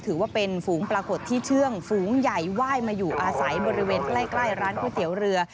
ถือว่าเป็นฝูงปรากฏที่เชื่องฝูงใหญ่ไหว้มาอยู่อาศัยบริเวณใกล้ร้านก๋วยเตี๋ยวเรือ